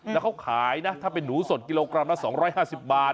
แล้วเขาขายนะถ้าเป็นหนูสดกิโลกรัมละ๒๕๐บาท